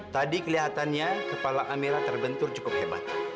tadi kelihatannya kepala amirah terbentuk cukup hebat